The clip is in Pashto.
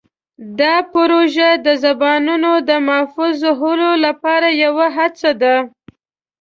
دا پروژه د زبانونو د محفوظولو لپاره یوه هڅه ده.